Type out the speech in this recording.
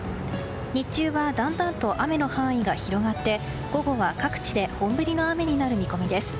日中はだんだんと雨の範囲が広がって午後は各地で本降りの雨になる見込みです。